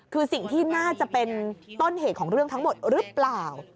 คือสิ่งที่น่าจะเป็นต้นเหตุของเรื่องทั้งหมดหรือเปล่า